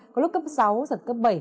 có lúc cấp sáu giật cấp bảy